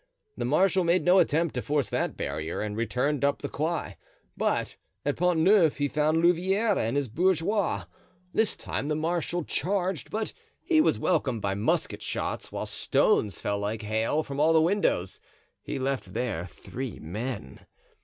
The marshal made no attempt to force that barrier and returned up the quay. But at Pont Neuf he found Louvieres and his bourgeois. This time the marshal charged, but he was welcomed by musket shots, while stones fell like hail from all the windows. He left there three men.